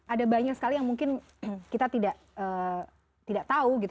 ada banyak sekali yang mungkin kita tidak tahu gitu